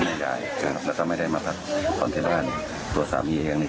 ไม่ย้ายครับแล้วก็ไม่ได้มาพักตอนเก็บบ้านตัวสามีเองเนี้ย